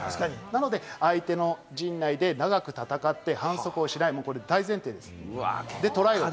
なので、相手の陣内で長く戦って反則をしない、これが大前提です。